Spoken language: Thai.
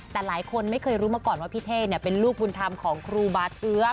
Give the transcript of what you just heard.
แต่หลายคนไม่เคยรู้ว่าพี่เท่จะเป็นรูปบุณธรรมของครูบาเทือง